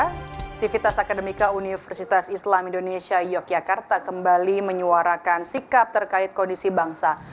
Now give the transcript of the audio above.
aktivitas akademika universitas islam indonesia yogyakarta kembali menyuarakan sikap terkait kondisi bangsa